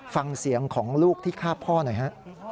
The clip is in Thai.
ฟังเสียงของลูกที่ฆ่าพ่อหน่อยฮะ